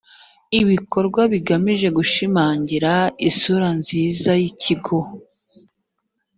ibikorwa bigamije gushimangira isura nziza y’ikigo